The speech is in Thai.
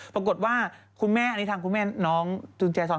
ปรากฏว่าคุณแม่น้องจุฐาแจซ่อน